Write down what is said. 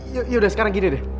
yaudah sekarang gini deh